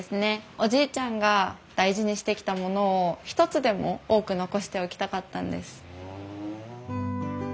おじいちゃんが大事にしてきたものを一つでも多く残しておきたかったんです。